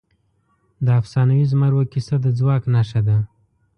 د افسانوي زمرو کیسه د ځواک نښه ده.